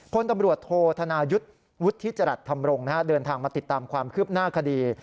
พลตำรวจโทษธนายุทธ์วุฒิจรัสธรรมรงค์เดินทางมาติดตามความคืบหน้าคดี